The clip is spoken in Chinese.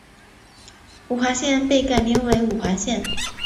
五华县被改名名为五华县。